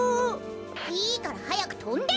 いいからはやくとんで！